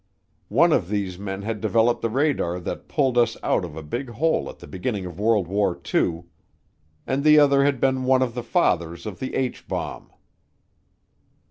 One of these men had developed the radar that pulled us out of a big hole at the beginning of World War II, and the other had been one of the fathers of the H bomb.